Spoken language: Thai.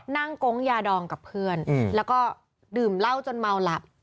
โก๊งยาดองกับเพื่อนแล้วก็ดื่มเหล้าจนเมาหลับ